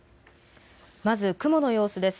まず雲の様子です。